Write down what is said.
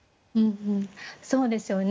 そうですよね。